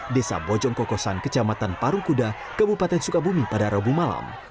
desa bojongkokosan kecamatan parungkuda kabupaten sukabumi pada rabu malam